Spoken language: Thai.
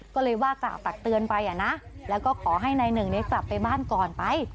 ก็เลยว่ากล่าวตักเตือนไปอ่ะนะแล้วก็ขอให้นายหนึ่งกลับไปบ้านก่อนไป